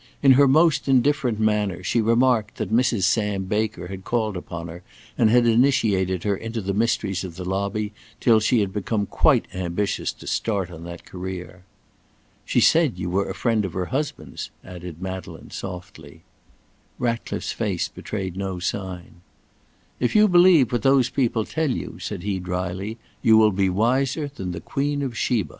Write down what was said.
In her most indifferent manner she remarked that Mrs. Sam Baker had called upon her and had initiated her into the mysteries of the lobby till she had become quite ambitious to start on that career. "She said you were a friend of her husband's," added Madeleine softly. Ratcliffe's face betrayed no sign. "If you believe what those people tell you," said he drily, "you will be wiser than the Queen of Sheba."